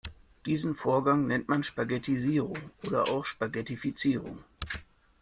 Diesen Vorgang nennt man Spaghettisierung oder auch Spaghettifizierung.